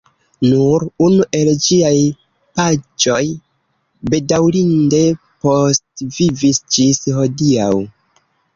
Nur unu el ĝiaj paĝoj bedaŭrinde postvivis ĝis hodiaŭ.